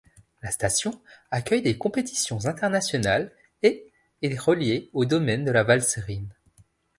La station accueille des compétitions internationales, et est reliée au domaine de la Valserine.